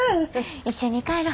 一緒に帰ろ。